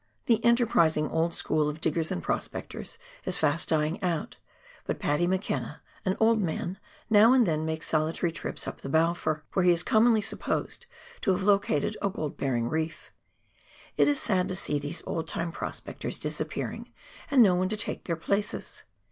The enterprising old school of diggers and prospectors is fast dying out, but " Paddy " McKenna, an old man, now and then makes solitary trips up the Balfour, where he is commonly supposed to have located a gold bearing reef. It is sad to see these old time prospectors disappearing, and no one to take their places.